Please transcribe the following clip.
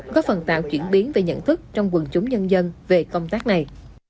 có phần tạo chuyển biến về nhận thức trong quần chúng nhân dân về công tác này